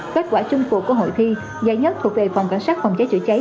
kết quả chung cuộc của hội thi giải nhất thuộc về phòng cảnh sát phòng cháy chữa cháy